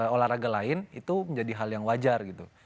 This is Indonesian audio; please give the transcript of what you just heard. olahraga lain itu menjadi hal yang wajar gitu